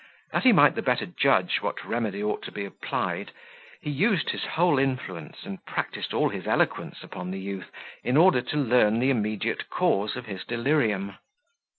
That he might the better judge what remedy ought to be applied, he used his whole influence, and practised all his eloquence upon the youth, in order to learn the immediate cause of his delirium.